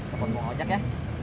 tumpen pak wajah ya